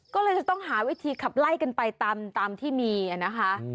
ก็เลยจะต้องหาวิธีขับไล่กันไปตามที่มีนะคะ